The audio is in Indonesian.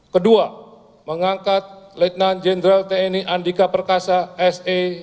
kedua mengangkat lieutenant jenderal tni andika perkasa sa